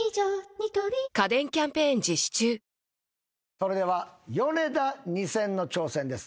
それではヨネダ２０００の挑戦です。